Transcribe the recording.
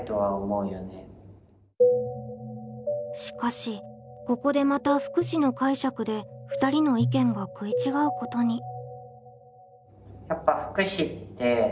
しかしここでまた「福祉」の解釈で２人の意見が食い違うことに。